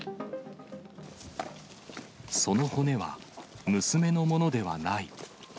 その骨は、娘のものではない。